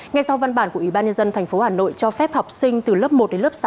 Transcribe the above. ngay sau văn bản của ủy ban nhân dân tp hà nội cho phép học sinh từ lớp một đến lớp sáu